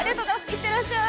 行ってらっしゃい。